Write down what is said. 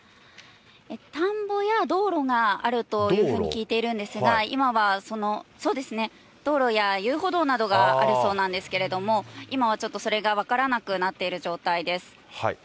田んぼや道路があるというふうに聞いているんですが、今はそうですね、道路や遊歩道などがあるそうなんですけれども、今はちょっと、それが分からなくなっている状態です。